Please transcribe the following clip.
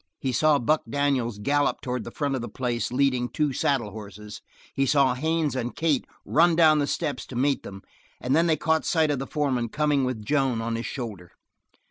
He saw Buck Daniels gallop toward the front of the place leading two saddled horses; he saw Haines and Kate run down the steps to meet them, and then they caught sight of the foreman coming with Joan on his shoulder.